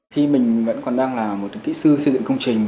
khi mình vẫn còn đang là một kỹ sư xây dựng công trình